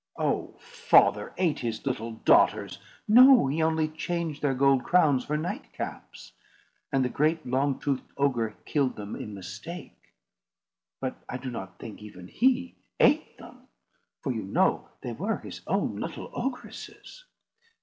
"Oh, father! ate his little daughters! No; he only changed their gold crowns for nightcaps; and the great long toothed ogre killed them in mistake; but I do not think even he ate them, for you know they were his own little ogresses."